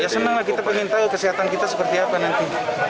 ya semangat kita pengen tahu kesehatan kita seperti apa nanti